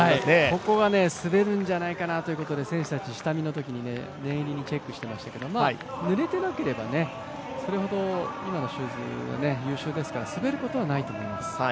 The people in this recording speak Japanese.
ここが滑るんじゃないかなということで、選手たち下見のときに念入りにチェックしていましたけれども、ぬれていなければそれほど今のシューズは優秀ですから、滑ることはないと思います。